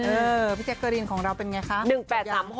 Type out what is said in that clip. เออพี่เจ๊กรีนของเราเป็นยังไงคะ